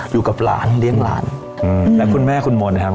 อยู่กับหลานเลี้ยงหลานอืมและคุณแม่คุณมนต์ครับ